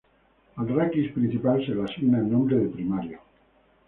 Al raquis principal se le asigna el nombre de primario.